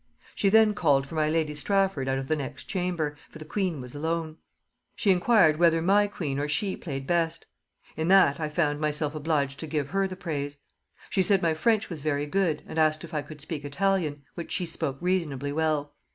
She then called for my lady Strafford out of the next chamber, for the queen was alone. She enquired whether my queen or she played best? In that I found myself obliged to give her the praise. She said my French was very good, and asked if I could speak Italian, which she spoke reasonably well.